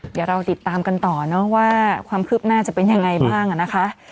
เดี๋ยวเราติดตามกันต่อเนอะว่าความคืบหน้าจะเป็นยังไงบ้างนะคะ